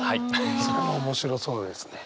それも面白そうですね。